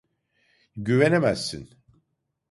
Güvenemezsin.